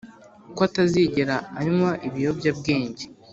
ko atazigera anywa ibiyobyabwenge